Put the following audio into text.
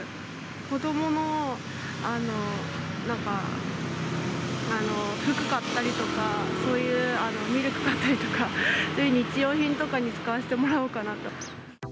子どもの服買ったりとか、そういうミルク買ったりとか、そういう日用品とかに使わせてもらおうかなと。